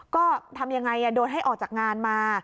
ก็ทำยังไงโดนให้ออกจากงานมา